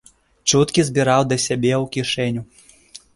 Чуткі збіраў да сябе ў кішэню.